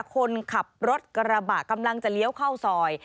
คนขับรถกระบะกำลังจะเลี้ยวเข้าซอย